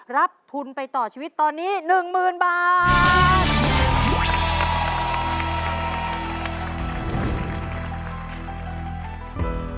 รับทุนไปต่อชีวิตตอนนี้๑๐๐๐บาท